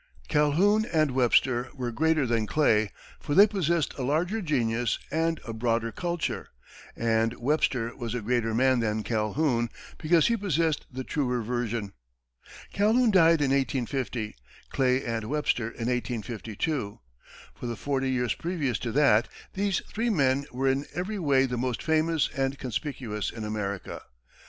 Calhoun and Webster were greater than Clay, for they possessed a larger genius and a broader culture; and Webster was a greater man than Calhoun, because he possessed the truer vision. Calhoun died in 1850; Clay and Webster in 1852. For the forty years previous to that, these three men were in every way the most famous and conspicuous in America.